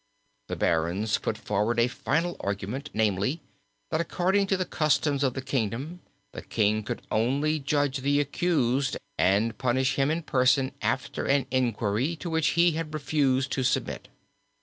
The barons put forward a final argument, namely, that according to the customs of the kingdom, the king could only judge the accused and punish him in person after an inquiry to which he had refused to submit.